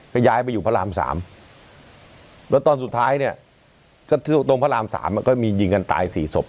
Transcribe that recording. ก็ย้ายไปอยู่พระราม๓แล้วตอนสุดท้ายเนี่ยก็ตรงพระราม๓ก็มียิงกันตายสี่ศพ